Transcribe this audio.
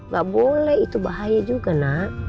gak boleh itu bahaya juga nak